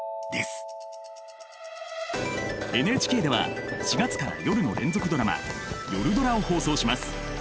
ＮＨＫでは４月から夜の連続ドラマ「夜ドラ」を放送します。